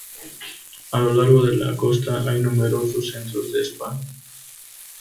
A lo largo de la costa hay numerosos centros de spa.